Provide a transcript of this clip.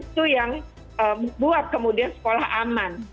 itu yang membuat kemudian sekolah aman